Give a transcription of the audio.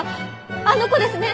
あの子ですね！